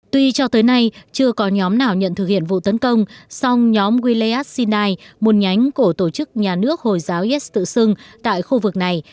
tuy cho tới nay chưa có nhóm nào nhận thực hiện vụ tấn công song nhóm willeyat sinai một nhánh của tổ chức nhà nước hồi giáo is tự xưng tại khu vực này